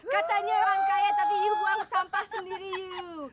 katanya orang kaya tapi you buang sampah sendiri yuk